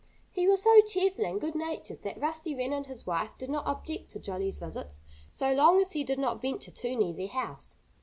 He was so cheerful and good natured that Rusty Wren and his wife did not object to Jolly's visits so long as he did not venture too near their house.